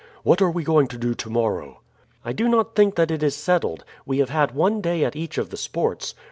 What are we going to do to morrow?" "I do not think that it is settled; we have had one day at each of the sports.